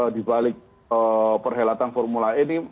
di balik perhelatan formula e ini